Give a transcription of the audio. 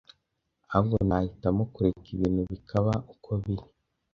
Ahubwo nahitamo kureka ibintu bikaba uko biri